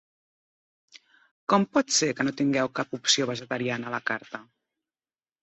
Com pot ser que no tingueu cap opció vegetariana a la carta?